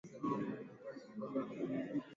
ukiwa na mita elfu tatu mia moja na tatu